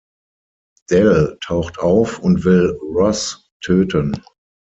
Dell taucht auf und will Ross töten.